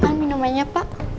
silahkan minum minyak pak